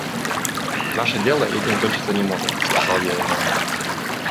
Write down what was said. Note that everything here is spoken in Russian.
«Наше дело этим кончиться не может», – сказал я ему.